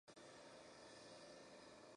Normalmente son flores de fuerte fragancia.